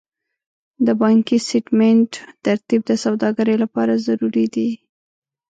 د بانکي سټېټمنټ ترتیب د سوداګرۍ لپاره ضروري دی.